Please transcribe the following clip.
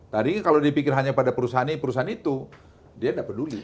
tadi kalau dipikir hanya pada perusahaan ini perusahaan itu dia tidak peduli